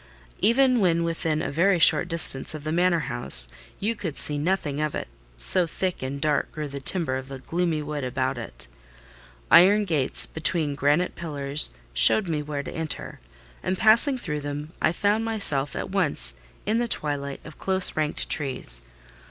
Even when within a very short distance of the manor house, you could see nothing of it, so thick and dark grew the timber of the gloomy wood about it. Iron gates between granite pillars showed me where to enter, and passing through them, I found myself at once in the twilight of close ranked trees.